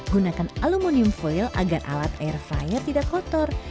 gunakan aluminium foil agar alat air flyer tidak kotor